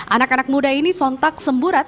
anak anak muda ini sontak semburat